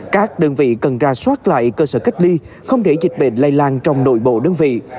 các đơn vị cần ra soát lại cơ sở cách ly không để dịch bệnh lây lan trong nội bộ đơn vị